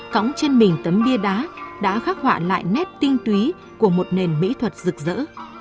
cõng trên mình tấm bia đá đã khắc họa lại nét tinh túy của một nền mỹ thuật rực rỡ